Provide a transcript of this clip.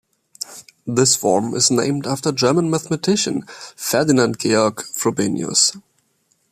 The form is named after German mathematician Ferdinand Georg Frobenius.